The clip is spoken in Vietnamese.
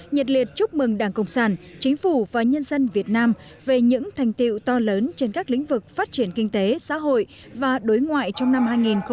nhật liệt chúc mừng đảng cộng sản chính phủ và nhân dân việt nam về những thành tiệu to lớn trên các lĩnh vực phát triển kinh tế xã hội và đối ngoại trong năm hai nghìn một mươi tám